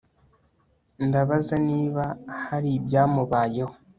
Ndabaza niba hari ibyamubayeho